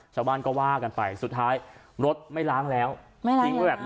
ชาวบ้านก็ว่ากันไปสุดท้ายรถไม่ล้างแล้วไม่ล้างแล้ว